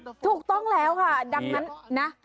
ถูกต้องแล้วค่ะดังนั้นนะ